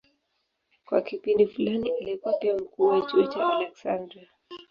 Kwa kipindi fulani alikuwa pia mkuu wa chuo cha Aleksandria.